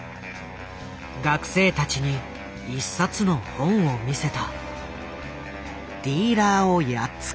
学生たちに１冊の本を見せた。